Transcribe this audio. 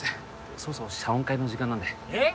そろそろ謝恩会の時間なんでえっ？